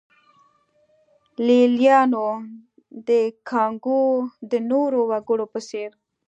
لېلیانو د کانګو د نورو وګړو په څېر.